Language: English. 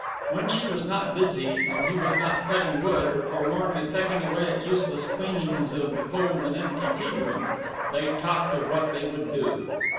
When she was not busy, and he was not cutting wood or forlornly pecking away at useless cleanings of the cold and empty tea room, they talked of what they would do.